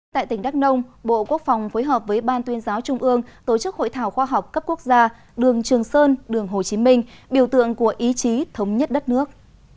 tại tỉnh đắk nông bộ quốc phòng phối hợp với ban tuyên giáo trung ương tổ chức hội thảo khoa học cấp quốc gia đường trường sơn đường hồ chí minh biểu tượng của ý chí thống nhất đất nước